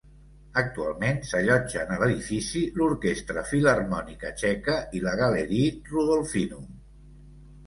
Actualment, s'allotgen a l'edifici l'Orquestra Filharmònica Txeca i la Galerie Rudolfinum.